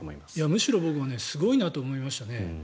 むしろ僕はすごいなと思います。